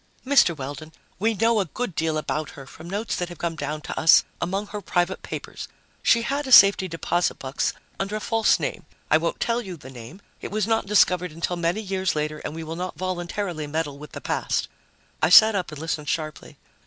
"Mr. Weldon, we know a good deal about her from notes that have come down to us among her private papers. She had a safety deposit box under a false name. I won't tell you the name; it was not discovered until many years later, and we will not voluntarily meddle with the past." I sat up and listened sharply.